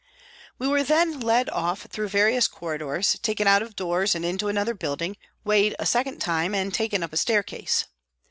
We were then led off through various corridors, taken out of doors and into another building, weighed a second time, and taken up a staircase.